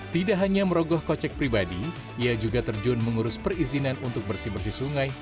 tidak hanya merogoh kocek pribadi ia juga terjun mengurus perizinan untuk bersih bersih sungai